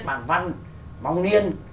bằng văn bóng niên